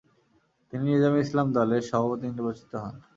তিনি নেজামে ইসলাম দলের সভাপতি নির্বাচিত হন।